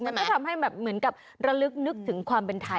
แล้วก็ทำให้แบบเหมือนกับระลึกนึกถึงความเป็นไทย